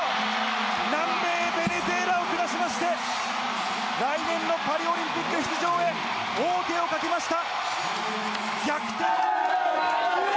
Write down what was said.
南米・ベネズエラを下しまして、来年のパリオリンピック出場へ王手をかけました！